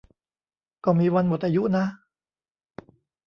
ก็มีวันหมดอายุนะ